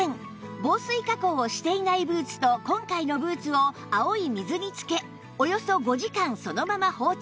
防水加工をしていないブーツと今回のブーツを青い水につけおよそ５時間そのまま放置